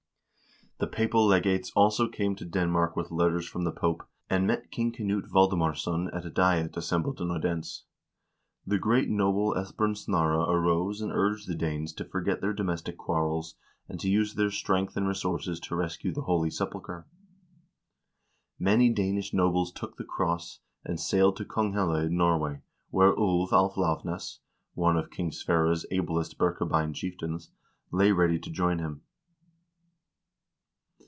The papal legates also came to Denmark with letters from the Pope, and met King Knut Valdemarsson at a diet assembled in Odense. The great noble Esbern Snare arose and urged the Danes to forget their domestic quarrels, and to use their strength and resources to rescue the Holy Sepulcher. Many Danish nobles took the cross, and sailed to Konghelle in Norway, where Ulv af Lauvnes, one of King Sverre's ablest Birkebein chieftains, lay ready to join them.